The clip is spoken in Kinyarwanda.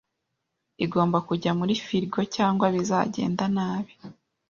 Igomba kujya muri firigo cyangwa bizagenda nab